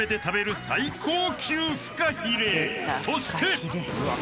［そして］